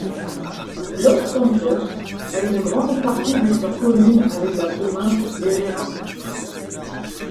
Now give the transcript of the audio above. Los Santos a une grande partie d'histoire commune avec la province d'Herrera.